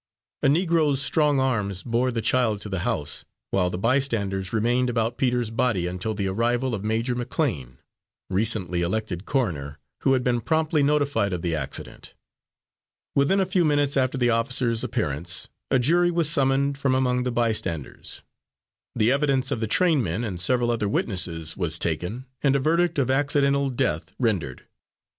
A Negro's strong arms bore the child to the house, while the bystanders remained about Peter's body until the arrival of Major McLean, recently elected coroner, who had been promptly notified of the accident. Within a few minutes after the officer's appearance, a jury was summoned from among the bystanders, the evidence of the trainmen and several other witnesses was taken, and a verdict of accidental death rendered.